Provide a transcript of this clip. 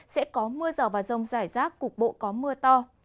sẽ có mưa rào và rông rải rác cục bộ có mưa to